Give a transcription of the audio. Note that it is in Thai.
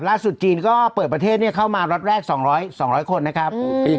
จีนก็เปิดประเทศเข้ามาล็อตแรก๒๐๐คนนะครับ